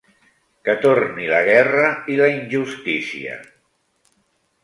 Que torni la guerra i la injustícia.